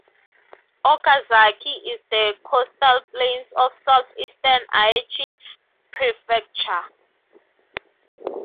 Okazaki is in the coastal plains of southeastern Aichi Prefecture.